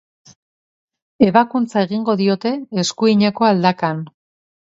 Ebakuntza egingo diote eskuineko aldakan.